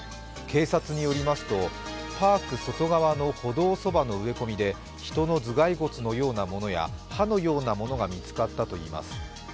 警察によりますとパーク外側の歩道そばの植え込みで人の頭蓋骨のようなものや歯のようなものが見つかったといいます。